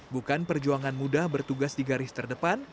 bukan perjuangan mudah bertugas di garis terdepan